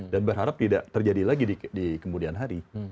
dan berharap tidak terjadi lagi di kemudian hari